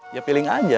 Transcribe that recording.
ya piling aja